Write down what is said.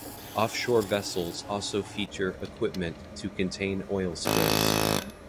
Offshore vessels also feature equipment to contain oil spills.